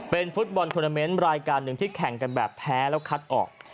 เป็นฟุตบอลทวนาเมนต์รายการหนึ่งที่แข่งกันแบบแพ้แล้วคัดออก